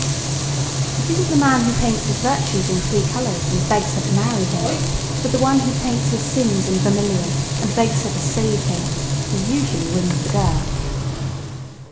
It isn't the man who paints his virtues in three colors and begs her to marry him, but the one who paints his sins in vermilion and begs her to "save" him who usually wins the girl.